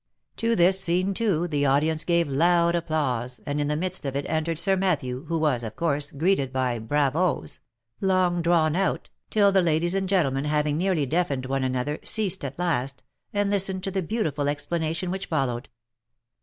To this scene, too, the audience gave loud applause, and in the midst of it entered Sir Matthew, who was, of course, greeted by bravoes, " long drawn out," till the ladies and gentlemen having nearly deafened one another, ceased at last, and listened to the beautiful explanation which followed.